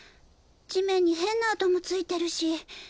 地面に変な跡もついてるし